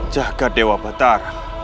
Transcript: jaga dewa batara